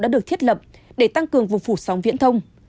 đã được thiết lập để tăng cường vùng phủ sóng viễn thông